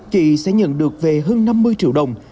chị sẽ nhận được về hơn năm mươi triệu đồng